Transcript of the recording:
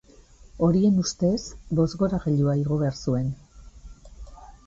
Horien ustez, bozgorailua igo behar zuen.